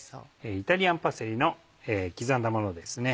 イタリアンパセリの刻んだものですね。